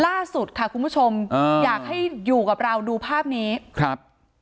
ล่าสุดค่ะคุณผู้ชมอ่าอยากให้อยู่กับเราดูภาพนี้ครับ